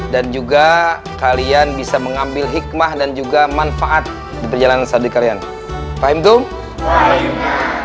dan juga kalian bisa mengambil hikmah dan juga manfaat di perjalanan sadri kalian paham dong